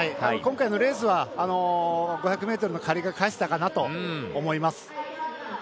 今回のレースは５００ｍの借りが返せたかなと思います。